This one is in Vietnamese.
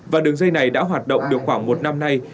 và đường dây này đã hoạt động được khoảng một năm nay